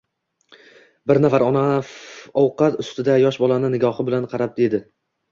Bir safar ona ovqat ustida yosh to`la nigohi bilan qarab dedi